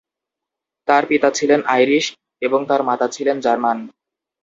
তার পিতা ছিলেন আইরিশ এবং তার মাতা ছিলেন জার্মান।